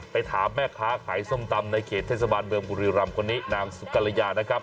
ถามแม่ค้าขายส้มตำในเขตเทศบาลเมืองบุรีรำคนนี้นางสุกรยานะครับ